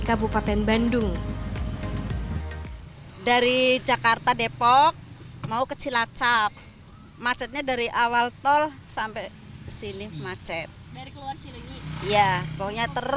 kabupaten bandung dari jakarta depok mau ke cilacap macetnya dari awal tol sampai sini macet ya